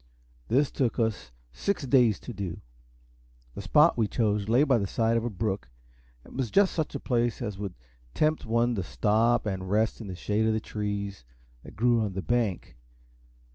This took us six days to do. The spot we chose lay by the side of a brook, and was just such a place as would tempt, one to stop and rest in the shade of the trees, that grew on the bank.